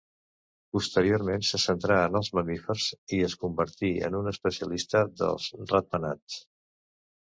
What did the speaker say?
Posteriorment se centrà en els mamífers i es convertí en un especialista dels ratpenats.